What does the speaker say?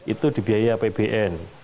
itu dibiaya apbn